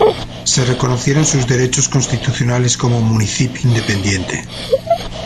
Se reconocieron sus derechos constitucionales como municipio independiente.